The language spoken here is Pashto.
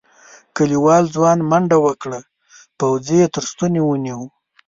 کليوال ځوان منډه وکړه پوځي یې تر ستوني ونيو.